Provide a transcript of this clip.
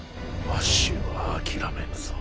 わしは諦めぬぞ。